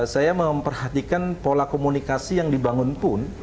saya memperhatikan pola komunikasi yang dibangun pun